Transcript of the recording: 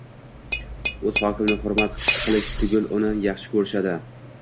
o‘z hokimini hurmat qilish tugul, uni yaxshi ko‘rishadi.